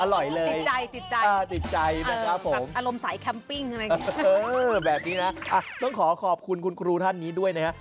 อร่อยเลยติดใจนะครับผมอืมแบบนี้นะต้องขอขอบคุณคุณครูท่านนี้ด้วยนะครับ